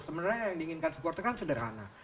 sebenarnya yang diinginkan supporter kan sederhana